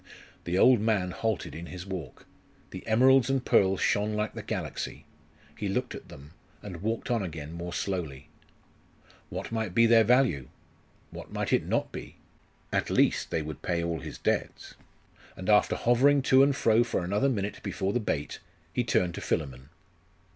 The old man halted in his walk. The emeralds and pearls shone like the galaxy. He looked at them; and walked on again more slowly.... What might be their value? What might it not be? At least, they would pay all his debts.... And after hovering to and fro for another minute before the bait, he turned to Philammon.